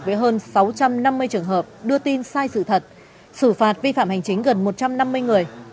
với hơn sáu trăm năm mươi trường hợp đưa tin sai sự thật xử phạt vi phạm hành chính gần một trăm năm mươi người